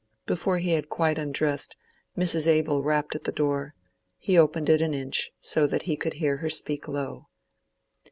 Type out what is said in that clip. Before he had quite undressed, Mrs. Abel rapped at the door; he opened it an inch, so that he could hear her speak low.